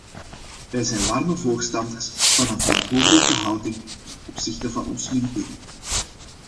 Wij zijn warme voorstanders van een verantwoordelijke houding ten opzichte van ons milieu.